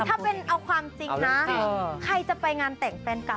ถ้าเป็นเอาความจริงนะใครจะไปงานแต่งแฟนเก่า